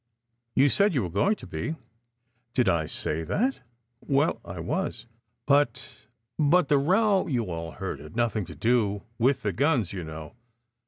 "You said you were going to be." "Did I say that? Well, I was. But but the row you all heard had nothing to do with the guns, you know.